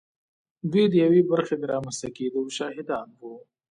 دوی د یوې برخې د رامنځته کېدو شاهدان وو